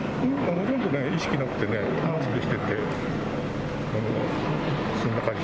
ほとんど意識なくてね、マスクしてて、そんな感じ。